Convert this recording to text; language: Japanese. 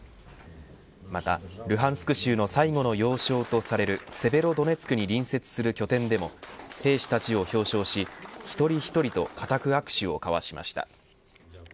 またルハンスク州の最後の要衝とされるセベロドネツクに隣接する拠点でも兵士たちを表彰し一人一人と固く握手を交わしました。